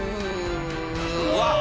うわっ！